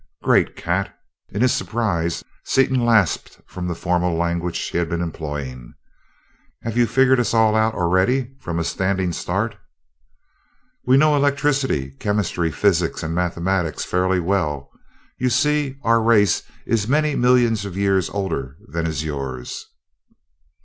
"Great Cat!" In his surprise Seaton lapsed from the formal language he had been employing. "Have you figured us all out already, from a standing start?" "We know electricity, chemistry, physics, and mathematics fairly well. You see, our race is many millions of years older than is yours."